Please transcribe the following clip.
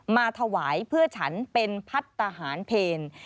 มาถวายเพื่อฉันเป็นพัฒนาหารเพล